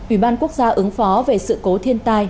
ủy ban quốc gia ứng phó về sự cố thiên tai